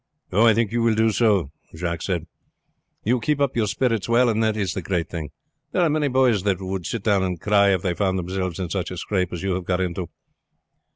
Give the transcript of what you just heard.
"Oh, I think you will do so," the man said. "You keep up your spirits well, and that is the great thing. There are many boys that would sit down and cry if they found themselves in such a scrape as you have got into."